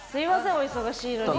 お忙しいのに。